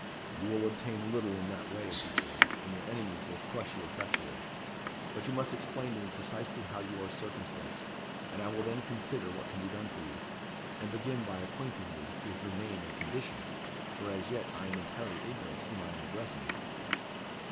"You will obtain little in that way," he said, "and your enemies will crush you effectually. But you must explain to me precisely how you are circumstanced, and I will then consider what can be done for you. And begin by acquainting me with your name and condition, for as yet I am entirely ignorant whom I am addressing."